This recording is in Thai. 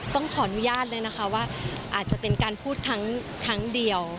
ต้องขออนุญาตเลยนะคะว่าอาจจะเป็นการพูดครั้งเดียว